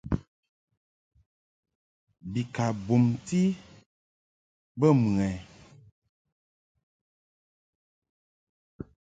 Bi ka bumti bə mɨ ɛ ?